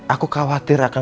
aku khawatir akan